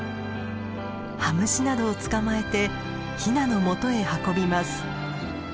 羽虫などを捕まえてヒナのもとへ運びます。